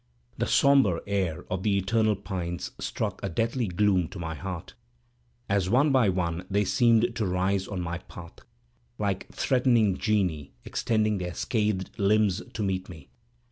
The sombre air of the eternal pines struck a deathly gloom to my heart, as one by one they seemed to rise on my path, like threatening genii extending their scathed limbs to meet me.